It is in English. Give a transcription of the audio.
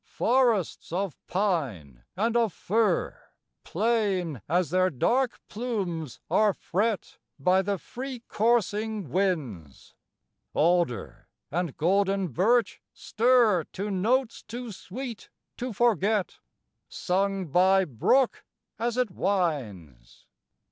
_ _Forests of pine and of fir Plain as their dark plumes are fret By the free coursing winds; Alder and golden birch stir To notes too sweet to forget, Sung by brook as it winds.